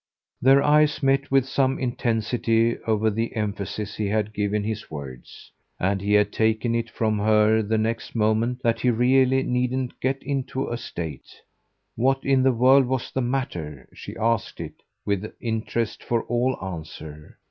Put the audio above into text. Their eyes met with some intensity over the emphasis he had given his words; and he had taken it from her the next moment that he really needn't get into a state. What in the world was the matter? She asked it, with interest, for all answer.